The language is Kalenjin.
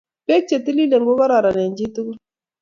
Beek che tililen ko kororon eng chi tugul.